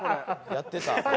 「やってた」